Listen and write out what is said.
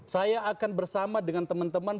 saya akan bersama dengan teman teman